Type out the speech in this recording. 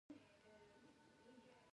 هغه هدفونه چې په پام کې وو لاس ته رانه غلل